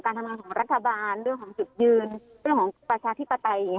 ทำงานของรัฐบาลเรื่องของจุดยืนเรื่องของประชาธิปไตย